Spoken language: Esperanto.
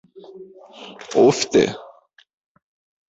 Ofte?